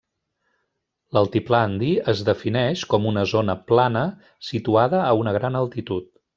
L'Altiplà Andí es defineix com una zona plana, situada a una gran altitud.